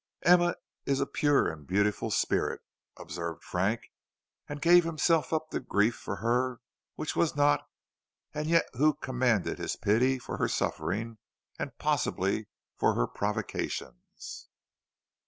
"Emma is a pure and beautiful spirit," observed Frank, and gave himself up to grief for her who was not, and yet who commanded his pity for her sufferings and possibly for her provocations.